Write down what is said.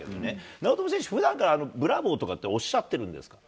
長友選手、ふだんからブラボーとかっておっしゃってるんですか？